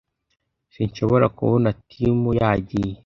Sinshobora kubona Tim Yagiye